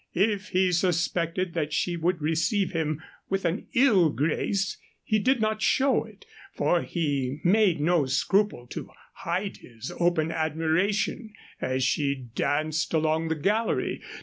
If he suspected that she would receive him with an ill grace, he did not show it, for he made no scruple to hide his open admiration as she danced along the gallery.